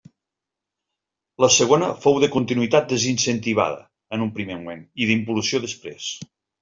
La segona fou de continuïtat desincentivada, en un primer moment, i d'involució després.